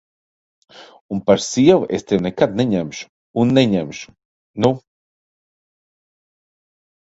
Un par sievu es tevi nekad neņemšu un neņemšu, nu!